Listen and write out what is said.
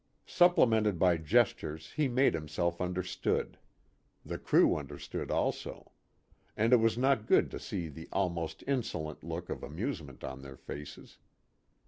59 Supplemented by gestures he made himself understood. The crew understood also. And it was not good to see the almost insolent look of amusement on their faces.